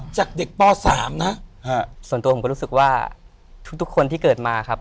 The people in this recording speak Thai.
จากเด็กป๓นะส่วนตัวผมก็รู้สึกว่าทุกคนที่เกิดมาครับ